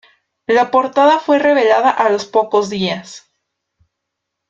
La portada fue revelada a los pocos días.